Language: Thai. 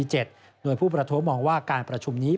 โดยผู้ประท้วงมองว่าการประชุมนี้